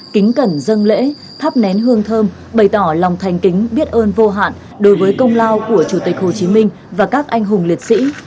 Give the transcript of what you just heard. kính cẩn dân lễ thắp nén hương thơm bày tỏ lòng thành kính biết ơn vô hạn đối với công lao của chủ tịch hồ chí minh và các anh hùng liệt sĩ